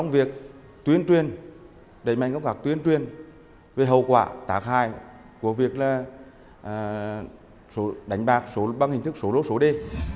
việc tuyên truyền về hậu quả tác hại của việc đánh bạc bằng hình thức số lô số đề